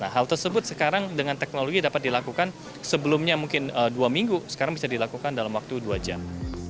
hal tersebut sekarang dengan teknologi dapat dilakukan sebelumnya mungkin dua minggu sekarang bisa dilakukan dalam waktu dua jam